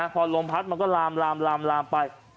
พอลมพัดมันก็ลามไป